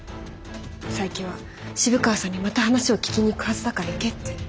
佐伯は渋川さんにまた話を聞きに行くはずだから行けって。